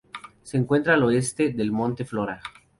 Se encuentra al oeste del monte Flora.